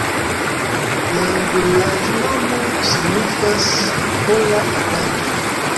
La vilaĝnomo signifas: ora-abato.